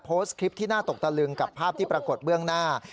โพสต์คลิปที่น่าตกตะลึงกับภาพที่ปรากฏเบื้องหน้า